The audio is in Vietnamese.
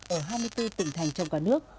ở hai mươi bốn tỉnh thành trong cả nước